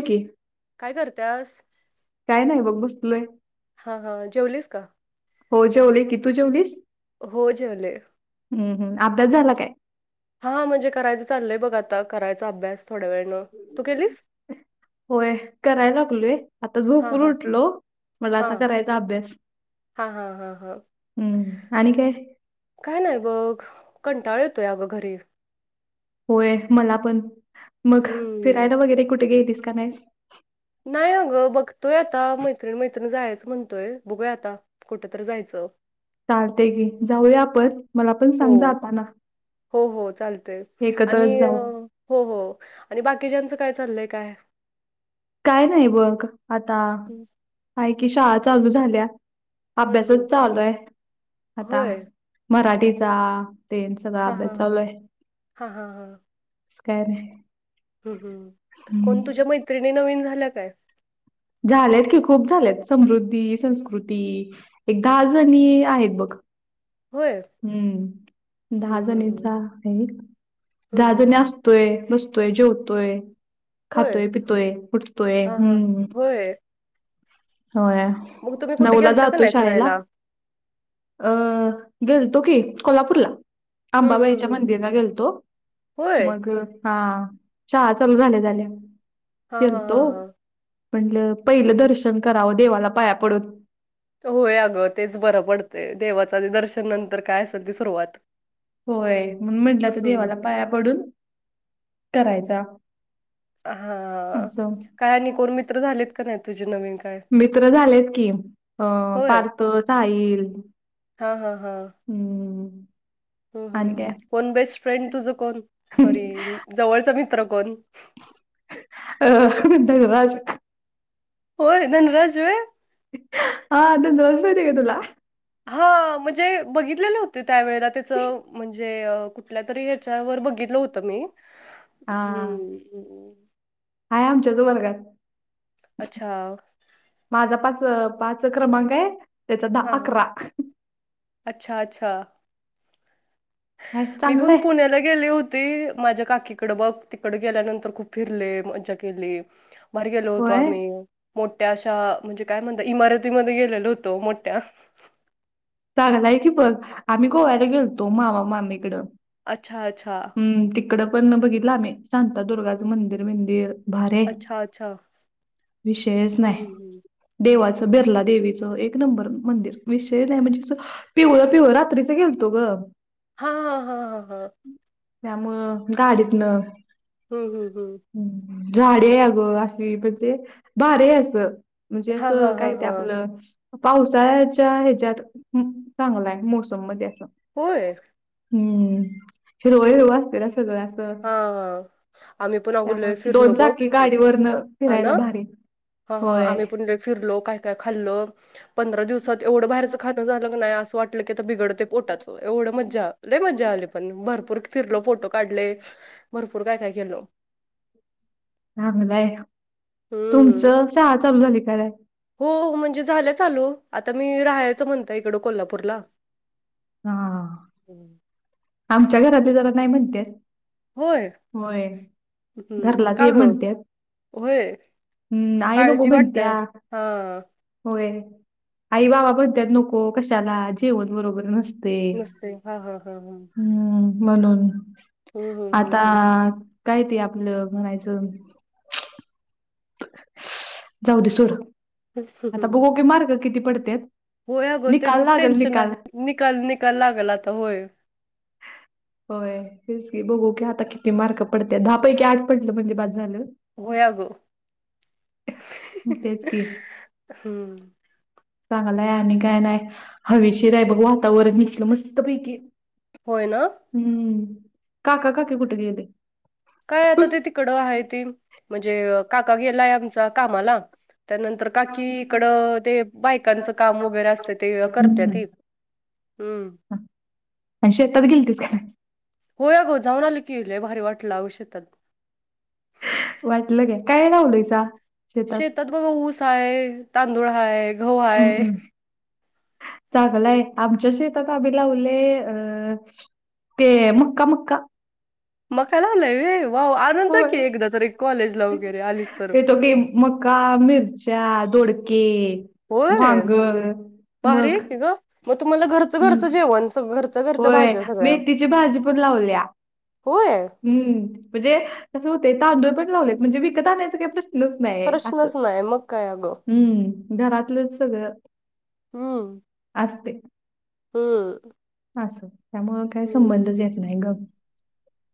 नक्की काय करतेस काय नाही बघ बस तुलय हां, हां. जेवलीस का? हो जेवले की तू जेवलीस हो, जेवले. हम् हम अभ्यास झाला काय हा म्हणजे करायचं चालय बघ आता करायचा अभ्यास थोड्या वेळनं तू केलीस होय करायला लागलोय आता झोप हां, हां. उटलो म्हला आता करायचा अभ्यास हा हा हा हा हम्म आणि काय काय नाही बघ कंटाळ येतोय अगं घरी होय मला पण मग हम्म. फिरायला वगैरे कुठे घेतीलस का नाहीस नाही अगं बघतोय आता मैत्रिण मैत्रिण जायचं म्हणतोय बघूया आता कुठ तर जायचं चालते की जाऊया आपण मला पण हो. सांग जा आता ना हो हो चालतय आणि जाऊ हो हो आणि बाकीच्याचं काय चाललंय काय काय नाही बघ आता ह का कि शाळा चालू झाल्या हं, अभ्यासच हं. चालोय आता होय. मराठीचा ते हां, ब्या हां, हां. चालूय हां, हां, काय नाही हम् हम कोण हम्म. तुझ्या मैत्रिणी नवीन झालं काय झालेत की खूप झालेत समृद्धी संस्कृती एक दहा जणी आहेत बघ होय? हम्म दहा हं, हं, हं. जणीचा आहे हं, दहा हं, जणी हं. अस ोय बसतोय जेवतोय होय? खातोय पितोय उटतोय हां, हां. हम्म होय होय मग तुम्ही कुठे नऊला गेलता का जातोय नाही शाळेला फिरायला? अ गेल तो की कोल्हापूरला हं, हं, आंबाबाईच्या हं, हं. मंदिरला गेलतो होय? मग हा चहा चालू झाले झाले हा हा हा हा म्हणटलं पहिलं दर्शन करावं देवाला पाया पडत होय अगं तेच बरं पडते देवाच दर्शन नंतर काय असेल ती सुरुवात होय म्हण म्हटलं तर हं. देवाला पाया पडून करायचा हां. अस काय आणि कोण मित्र झालेत का नाही तुझे नवीन काय? मित्र झालेत कि अं पारतचईल हा हा हा हम्म ह आणि काय कोण बेस्ट फ्रेंड तुझ कोण सॉरी जवळचा मित्र कोण अ राजज होय धन राजज आहे हातासते का तुला हा म्हणजे बघितलेले होते त्यावेेळेला त्याच म्हणजे कु कुठल्या तरी हच्यावर बघितलं होत मी हम् हय आमच्याच वर्गात अच्छा माझा पाच पाच क्रमांक आहे त्याचा दहा हां. अकरा अच्छा अच्छा आहे मी पण चांगलंय पुण्याला गेली होती माझ्या काकीकडे बघ तिकड गेल्यानंतर खूप फिरले मज्जा केली बाहेर गेलो होतो होय आम्ही मोठ्याशा म्हणजे काय म्हणत इमारतीमध्ये गेलेलो होतो मोठ्या चांगलाय की बघ, आम्ही गोव्याला गेलतो मामा मामीकडं अच्छा अच्छा हम् तिकड पण बघितलं आम्ही शांतादुर्गाचं मंदिर बिदीर भारी ये अच्छा, अच्छा. विषयच हं, नाही. हं, हं. देवाचं बिर्ला देवीचं एक नंबर मंदिर विषय आहे म्हणजे तं पिवळ पिवळ, रात्रीच गेलतो ग हा हा हा हा हा त्यामुळं गाडीतन हम्म हम्म हम् झाडे अ गं अशी म्हणजे भारी असं म्हणजे हां, असं हां, हां, काय ते हां. आपलं पावसाळच्या ह्याच्यात चांगलाय मोसम मध्ये असं होय हम्म हिरव हरव असतं ना सगळ अस हां. आम्ही पण अगं त्यामु लय दोन फिरलो बघ चाकी अ, गाडीवररन फिरायला भारी ह हा होय. आम्ही पण फिरलो काय का खाल्लं पंधरा दिवसात एवढं बाहेरच खाणं झालं नाही असं वाट म्हटल की आता बिघडत ते पोटात एवढं मजा लय मजा आली पण भर फिरलो फोटो काढले भरपूर काय काय केल चांगलंय हम्म तुमचं शाळा चालू झाली का नाय? हो म्हणजे झालं चालू आता मी राहायचं म्हणत इकडं कोल्हापूरला हा. [inaudible] आमच्या घरातले जरा नाही म्हणत्यात होय होय. हम्म घरात का ये ग म्हणत्यात होय हम्म आई नको काळजी म्हणतीया वाटतंय हा होय आई बाबा बणतत नको कशाला जेवण बरोबर नसत नसते हा, हा, हा, हा हम्म म्हणून हम्म हम्म आता हम्म काय ते आपलं म्हणायचं जाऊ दे सुड हम्म आता बघू की मार्क किती पडत्यात होय अगं ते तच टेन्शन आहे निकाल निकाल लागेल आता होय. होय हेच की बघू की आता किती मार्क पडते दहा पैकी आठ पडलं म्हणजे बास झालं होय अगं तेच कि हम्म चांगलाय आणि काय नाही हवेशीर आहे बघ वातावरण इथलं मस्त पैकी होय ना हम्म काका काकाे कुठ गेले? काय आता ते तिकड आहे ती म्हणजे काका गेलाय आमचा कामाला. त्यानंतर काकी इकड ते बायकांचं काम वगैरे असते ते करत्याती हम्म. हम्म आणि शेतात गेलतीस का होय आग जाऊन आलं की लंय भारी वाटलं आव शेतात. वाटलं काय? काय लावलायस शेतात बघ ऊस आहे, तांदूळ हा आहे. हम् हम् चांगलाय आमच्याशीेत आम्ही लावलय अ ते मका मका मकाय लाला रे वाव आनंद होय. की एकदा तरी कॉलेजला वगैरे आलीस तर ते तो की मका, मिरच्या, दोडके, होय वांग भारी मग आहे की गं. मग तुम्हाला घरचं हं. घरचं जेवणच घर. होय मेथीची भाजी पण लावल्या. होय हम् म्हणजे असं होतय तांदूळ पण लावलेत म्हणजे विकत आणायचा काय प्रश्न. नाही आहे असं. प्रश्नच नाही मग काय अगं. हम्म घरातलंच सगळं. हो. असते. हम. असं. त्यामुळ काय संबंधच येत नाही न.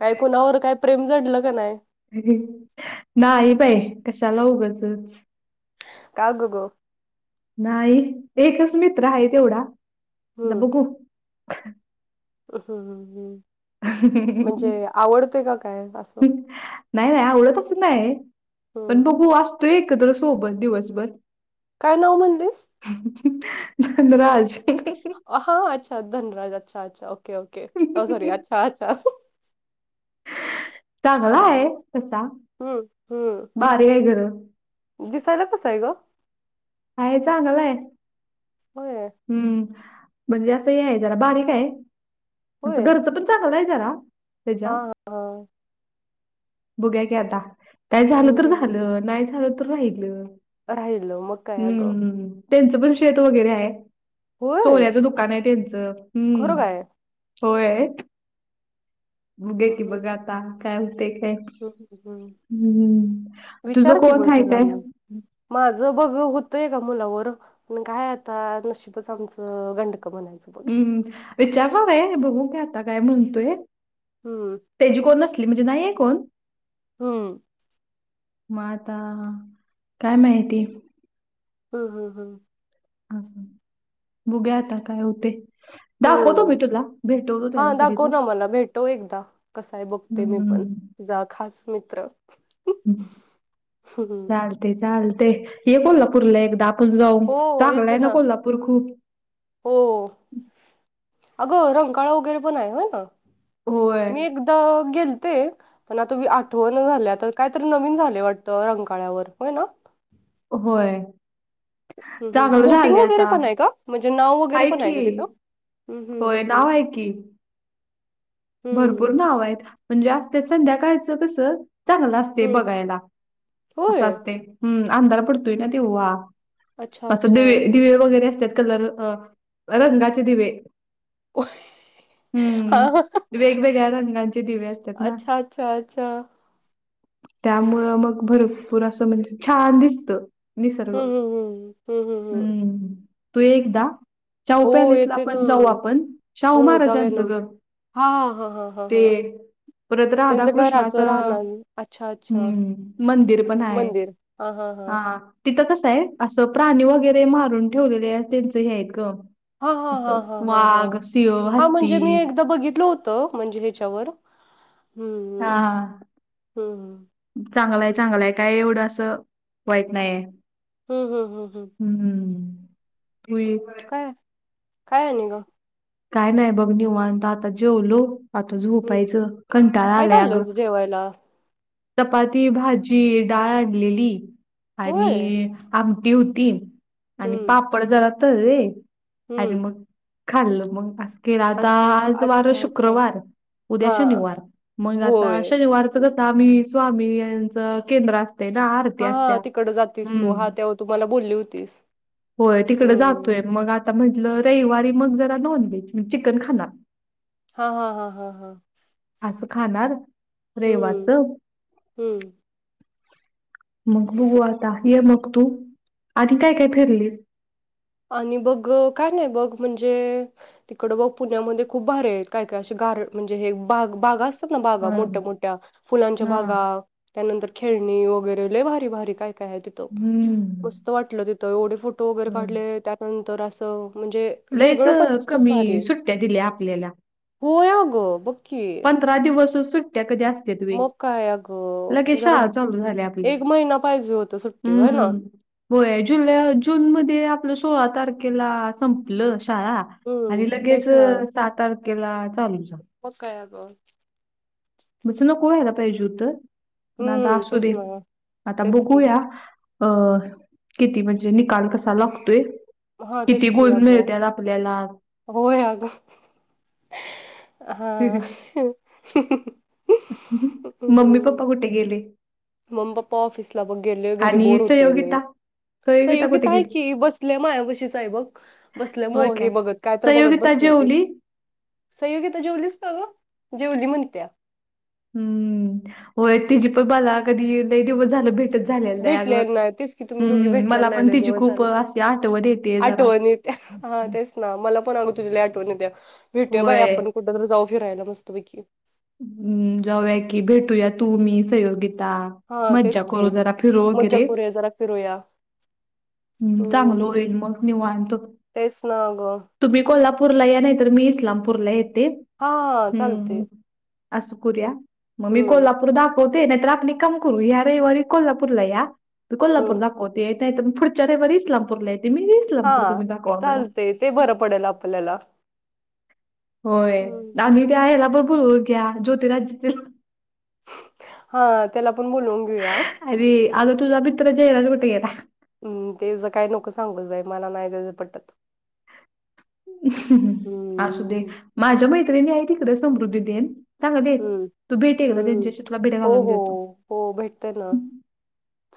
काय कुणावर काय प्रेम जडलं का नाही? [unintelligible] नाही बाई कशाला उगचच. काग करू. नाही एकच मित्र आहे तेवढा आता बघू. हम्, हम् म्हणजे आवडतेय का काय असं. नाही आवडतच नाही पण हम्म. बघू असतो एकत सोबत दिवसभर. काय नाव म्हणजे? [unintelligible] धनराज. हा अच्छा! धनराज अच्छा! अच्छा! ओके ओके अच्छा! अच्छा! चांगला आहे हां. तसा, हम्म हम्म. बारी आहे ग. दिसायला कसं आहे ग? आहे चांगलाय आहे. होय हम्म म्हणजे असं हे आहे जरा बारीक आहे होय. घरचं पण. चांगलाय जरा त्याच्या हां हां. [inaudible] बघुया की आता. काय झालं हम्म तर झालं नाही झालं तर राहिलं. राहिल मग काय अगं. हम्म त्यांचं पण शेत वगैरे आहे. होय? सोन्याचं दुकान आहे त्यांचं, खरं हम्म काय? होय. मुगे हं, की हं, बघाता काय होते काय. हं, हं, हं. हम्म, तुझ विचार की कोण मग हाय त्याला ते? मग. माझं बघ होतय का मुलावर. पण काय आता नशिबच आमचं गंडकं म्हणायचं. बघ. हम्म विचारणार आहे बघू काय आता काय म्हणतोय. हम्म. त्याची कोण नसली म्हणजे नाही हे कोण. हम्म. म आता काय माहिती. हम हं हं. अस, बुघया आता काय होते. दाखवतो मी हम्म, तुला भेटवतो हा त्याला कधी दाखव तर ना मला भेटो एकदा कसाय बघते मी पण. हम्म. जा खास मित्र. हम्म. चालते चालते ये कोल्हापूर पुरला एकदा. जाऊ, हो चांगलाय येते ना कोल्हापूर खूप? हो, हो, अगं रंकाळा वगैरे पण आहे हो ना. होय मी एकदा गेलते पण आता आठव न झालं आता कायतरी नवीन झाले वाट. रंगकाळ्यावर हो ना. होय. ह चांगलं बोटिंग झाले वगैरे आता पण आहे का म्हणजे न्हाव वगैरे पण आहे का तिथं. हं, हं, होय हं, हं. नाव आहे की. भरपूर हं, नाव आहेत म्हणजे आसत्यात संध्याकाळचं कसं. चांगलं असते हं. बघायला असं होय? असते हम्म अंधार पडतोय ना तेव्हा. अच्छा, असं अच्छा. दिवे दिवे वगैरे असतात कलर अ रंगाचे दिवे. होय... हा हम्म. हं वेगवेगळ्या रंगांचे दिवे असतात ना अच्छा, अच्छा. त्यामुळं मग भरपूर असं म्हणजे छान दिसत निसर्ग हं, हं, हं. हं, हं, हं. हम्म तू एकदा शाहू हो, पॅलेस ला येते ना. आपण जाऊ आपण शाहू महाराजांचं घर हा हंंहं ते परत राधा घराचं कृष्णाचं राहणं. अच्छा, अच्छा. हम्म मंदिर पण आहे ह हा हा हां, तिथं कसं आहे असं प्राणी वगैरे मारून ठेवलेले आहे त्यांचं हे आहेत ग हा हा ह ह ह हा हत्ती. म्हणजे मी एकदा बघितलं होतं म्हणजे ह्याच्यावर हा हम ह चांगलाय चांगलाय काय एवढं असं वाईट नाहीये हम् हम् ह्म हम हम्मम् ते काय काय आहे नि ग काय नाही बघ निवानता आता जेवलो आता झोपायचं कंटाळा आल्याय अग ठवायला चपाती भाजी डाळ आणलेली होय. आणि आमटी होती आणि हं, पापड जला तर रे आणि हं. मग खाल्लं मग अस अ आता आज वार अच्छा, अच्छा. शुक्रवार उद्या हां. शनिवार मग आता होय. शनिवार स्वामी स्वामी यांच केंद्र अस ना आरती हा ह असत्या तिकड जातेस तू हम्म हा तेव्हा तुम्हाला बोलली होतीस होय तिकडे जातोय हं. मग आता म्हटलं रविवारी मग जरा नॉन व्हेज म्हणजे चिकन खाणार हा हा हा हा हा असं खाणार रेवाच हम् मग बुघू आता ये मग तू आधी काय काय फिरली आणि बघ काय नाही बघ म्हणजे तिकड ब पुण्यामध्ये खूप भरे आहेत काय काय असे गार म्हणजे हे बाग बागा असतात ना बागा होय मोठ्या मोठ्या फुलांच्या हा बागा त्यानंतर खेळणी वगैरे लले भारी भारी काय काय आहे त हम्म मस्त वाट तिथ एवढे फोटो वगरे होय काढ नंतर असं म्हणजे लयच वेगळं पद्धतच कमी भारी सुट्ट्या दिल्या आपल्याला हो यागो बकी दिवस सुट्ट्या कधी असत तु मग काय लगे अगं जरा शा चालू झाले आपले एक महिना पाहिजे होतं सुट्टी होय ना. हम्म हो जुल जून मध्ये आपलं सोळा तारखेला संपलं शाळा हम्म आणि लगेच तेच सात तारखेला चालू जा प काय ग बस नको यायला पाहिजे होत पण आता हम्म असू तेच दे ना आता तेच की बघूया अ किती म्हणजे निकाल कसा लागतोय हा किती गोल मिळतेला आपल्याला हो ग हा मम्मी पप्पा गुठे गेले मम्मीप्पा ऑफिसला बघ गेले घरी आणि बोर होतेले सहयोगिता सहयोगिता संयोगीित कुठे आहे गेली की बसल्या मायवशी सा आहे बघ बसले म हे बघत काय बघत सहयोगिता बसल जेवली सयोगीता जेवलीचत ग जेवली म्हणत्या हम्म होय तिजी पण बाला कधी नाही दिवस झालं भेटत. झालेलं भेटल्या नाही तेच की तुम्ही दोघी अगम् भेटल्या मला नाही पण लय तिची दिवस खूप झालं. अशी आठव येतेय जरा आठवण येत्या हा तेच ना मला पण अगं तुझ्या आठवणीत्या भेटूया बाई होय. आपण कुठंतरी जाऊ फिरायला वस्तुपैकी हम्म जाऊया की भेटूया तू मी सयोगिता हा मजा तेच की करो जरा फर रोक मज्जा रे. करूया जरा फिरूया हम् चांगलं होईल हम्म मग निव आणतो. तेच ना गं तुम्ही कोल्हापूरला या नाही तर मी इस्लामपूरला येते. हा चालते. अस करू्या मग मी हम्म कोल्हापूर दाखवत. ते नाही तर आपण काम करू या रेवारी कोल्हापूर ला याी कोल्हापूर हम्म दाखवत. येतय पुढच्या रविवार इस्लामपूरला येते मी. हा इस्लामपूर तुम्ही दाखवा मला. चालते ते बरं पडेल आपल्याला. होय हम्म आणि त्या याला भरपूर हो घ्या ज्योतिराज. हा त्याला आपण बोलवून घेऊया. अर आता तुझा मित्र जयराज कुठे गेला. हम् ते ज काही नकं सांगू जाय मला नाही जायचं पटत. असू दे हम्म माझ्या मैत्रिणी आहे तिकडें समृद्धी देन. सांगा देत हम्म तू भेटी गेला हम्म त्यांच्याषी तुला भेडे्या हो घालून हो देतो. हो भेटते ना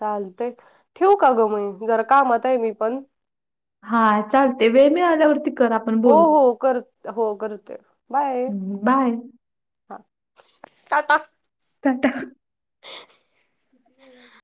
चालतेय. ठेव का ग मई जरा कामत आहे मी पण. हा चालते वेळ मिळाल्यावरती. कर आपण हो बोलू. हो कर हो करते बाय. बाय हां का त. तत. ह.